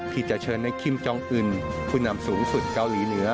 ที่จะเชิญในคิมจองอื่นผู้นำสูงสุดเกาหลีเหนือ